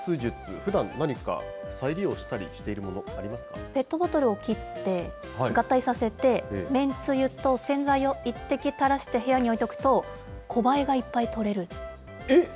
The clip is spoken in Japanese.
ふだん何か再利用したりしているペットボトルを切って合体させて、めんつゆと洗剤を１滴たらして部屋に置いとくとコバエがいっぱいえっ？